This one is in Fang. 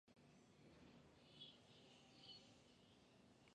Bo vyoñ.